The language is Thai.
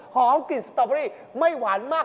กลิ่นสตอเบอรี่ไม่หวานมาก